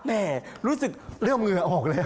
แม่รู้สึกเริ่มเหงื่อออกแล้ว